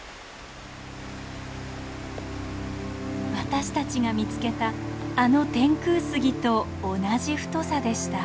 私たちが見つけたあの「天空杉」と同じ太さでした。